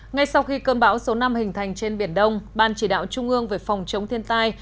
ngay sau khi cơn bão số năm hình thành trên biển đông ban chỉ đạo trung ương về phòng chống thiên tai